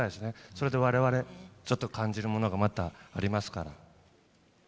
それで我々ちょっと感じるものがまたありますから。